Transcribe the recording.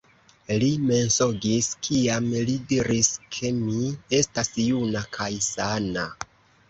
Li mensogis, kiam li diris, ke mi estas juna kaj sana!